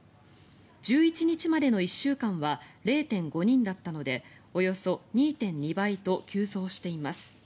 １１日までの１週間は０．５人だったのでおよそ２．２倍と急増しています。